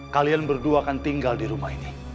kalian berdua akan tinggal di rumah ini